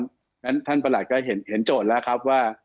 เพราะฉะนั้นท่านประหลัดก็เห็นโจทย์แล้วครับว่า